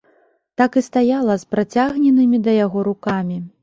Так і стаяла з працягненымі да яго рукамі.